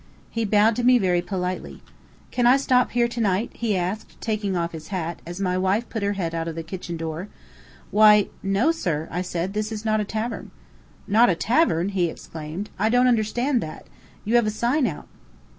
He bowed to me very politely. "Can I stop here to night?" he asked, taking off his hat, as my wife put her head out of the kitchen door. "Why, no, sir," I said. "This is not a tavern." "Not a tavern!" he exclaimed. "I don't understand that. You have a sign out."